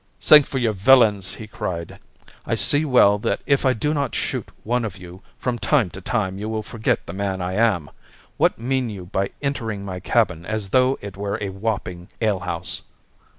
"Sink you for villains!" he cried. "I see well that if I do not shoot one of you from time to time you will forget the man I am. What mean you by entering my cabin as though it were a Wapping alehouse?"